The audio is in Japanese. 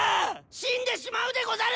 死んでしまうでござる！